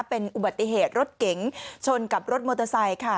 เป็นอุบัติเหตุรถเก๋งชนกับรถมอเตอร์ไซค์ค่ะ